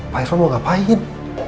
pak irvan mau ngapain